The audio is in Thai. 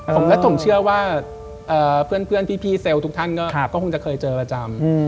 ผมและผมเชื่อว่าเพื่อนพี่เซลล์ทุกท่านก็คงจะเคยเจอประจำ